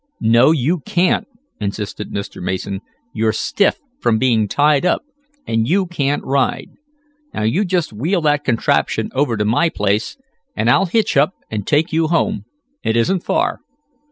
"No, you can't!" insisted Mr. Mason. "You're stiff from being tied up; and you can't ride. Now you just wheel that contraption over to my place, and I'll hitch up and take you home. It isn't far."